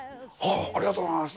ありがとうございます！